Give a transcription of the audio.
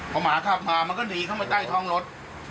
พอหมาขับมามันก็หนีเข้าไปใต้ท้องรถ